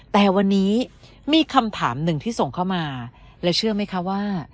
แต่วันนี้มีคำถามหนึ่งที่ส่งเข้ามาแล้วเชื่อไหมคะว่า